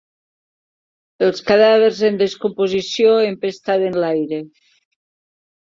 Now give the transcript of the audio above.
Els cadàvers en descomposició empestaven l'aire.